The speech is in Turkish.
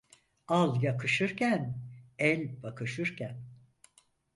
Al yakışırken, el bakışırken.